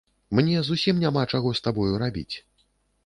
Мне зусім няма чаго з табою рабіць.